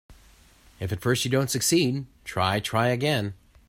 If at first you don't succeed, try, try again.